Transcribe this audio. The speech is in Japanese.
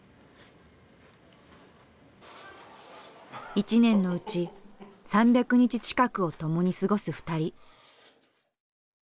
一年のうち３００日近くを共に過ごす２人。